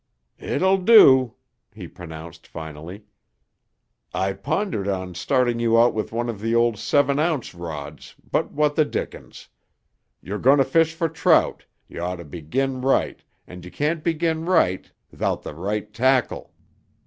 "It'll do," he pronounced finally. "I pondered on starting you out with one of the old seven ounce rods but what the dickens. You're going to fish for trout, you ought to begin right and you can't begin right 'thout the right tackle.